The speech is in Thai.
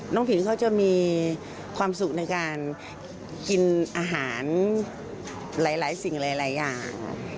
ผิวเขาจะมีความสุขในการกินอาหารหลายสิ่งหลายอย่าง